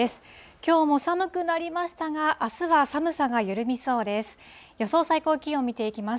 きょうも寒くなりましたが、あすは寒さが緩みそうです。